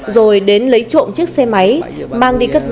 rồi đến lấy trộm chiếc xe máy mang đi cất giữ